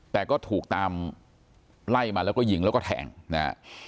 แต่ก็ถูกตามไล่มาแล้วก็ยิงแล้วก็แทงนะฮะ